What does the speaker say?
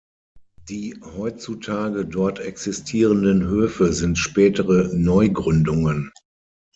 Die heutzutage dort existierenden Höfe sind spätere Neugründungen.